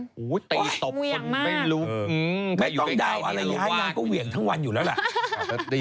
โอ๊ยตีตบคนไม่รู้ไม่ต้องได้ในระยะยังก็เวียงทั้งวันอยู่แล้วล่ะ